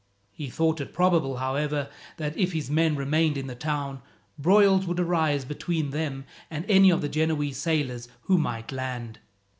He thought it probable, however, that if his men remained in the town, broils would arise between them and any of the Genoese sailors who might land.